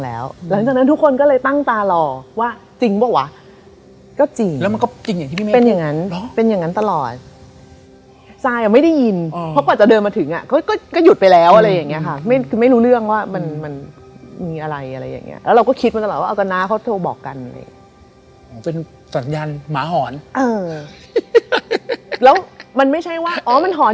แล้วก็เป็นไซน์ที่มาคบทั้งภาพเสียงเอฟเฟคข้างนอก